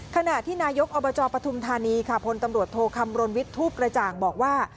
ขณะที่นายกอบจปฐุมธานีค่ะพลตำรวจโทคำรณวิทย์ทูปกระจ่างบอกว่า